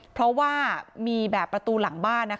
เพราะว่ามีแบบประตูหลังบ้าน